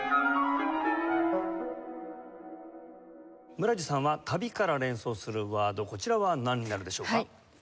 村治さんは「旅」から連想するワードこちらは何になるでしょうか？